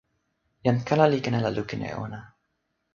jan kala li ken ala lukin e ona.